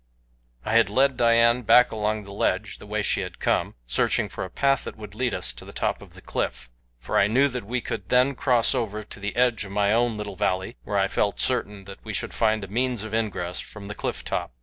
I had led Dian back along the ledge the way she had come, searching for a path that would lead us to the top of the cliff, for I knew that we could then cross over to the edge of my own little valley, where I felt certain we should find a means of ingress from the cliff top.